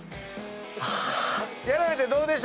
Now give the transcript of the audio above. やられてどうでした？